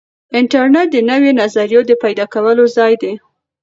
انټرنیټ د نویو نظریو د پیدا کولو ځای دی.